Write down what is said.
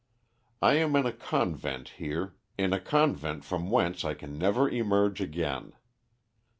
"I am in a convent here, in a convent from whence I can never emerge again.